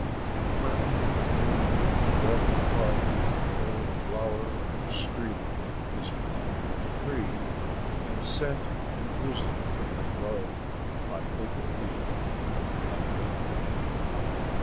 And when at Noon the breath of love O'er flower and stream is wandering free, And sent in music from the grove, I think of thee I think of thee!